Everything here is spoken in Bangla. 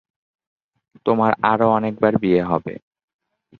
তোমার আরো অনেকবার বিয়ে হবে।